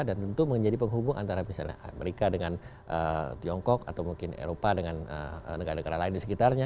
dan tentu menjadi penghubung antara misalnya amerika dengan tiongkok atau mungkin eropa dengan negara negara lain di sekitarnya